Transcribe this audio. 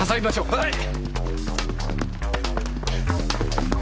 はい！